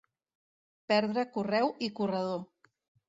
Perdre correu i corredor.